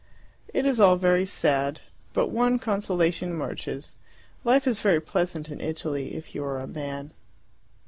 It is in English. It is all very sad. But one consolation emerges life is very pleasant in Italy if you are a man.